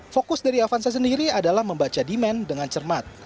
fokus dari avanza sendiri adalah membaca demand dengan cermat